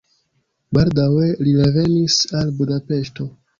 Baldaŭe li revenis al Budapeŝto.